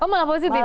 oh malah positif ya